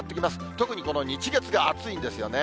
特にこの日月が暑いんですよね。